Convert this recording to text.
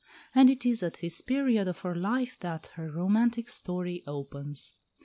And it is at this period of her life that her romantic story opens.